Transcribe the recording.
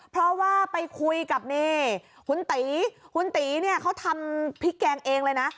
เพราะว่าไปคุยกับนี่คุณตีคุณตีเนี่ยเขาทำพริกแกงเองเลยนะ